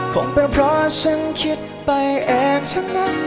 คงเป็นเพราะฉันคิดไปแอบทั้งนั้น